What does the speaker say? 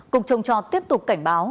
cục trồng trò tiếp tục cảnh báo